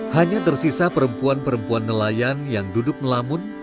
hanya tersisa perempuan perempuan nelayan yang duduk melamun